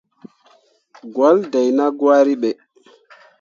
Gwahlle dai nah gwari ɓe.